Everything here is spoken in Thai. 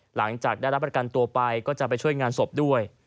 หลังจากได้รับประกันตัวไปก็จะไปช่วยงานศพด้วย